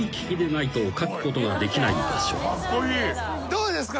どうですか？